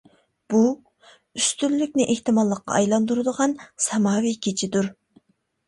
بۇ ئۈستۈنلۈكنى ئېھتىماللىققا ئايلاندۇرىدىغان ساماۋى كېچىدۇر.